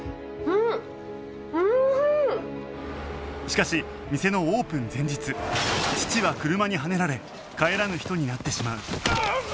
しかし店のオープン前日父は車にはねられ帰らぬ人になってしまううっ！